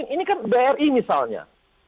ini kan bri misalnya